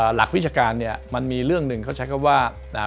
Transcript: หลักวิชาการมันมีเรื่องหนึ่งเขาใช้คำว่า